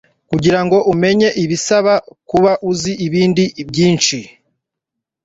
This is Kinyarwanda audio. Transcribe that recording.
kugirango umenye bisaba kuba uzi ibindi byinshi